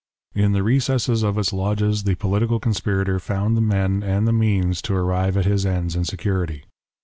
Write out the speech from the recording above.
In the recesses of its lodges, the political conspirator found the men and the means to arrive at his ends in security.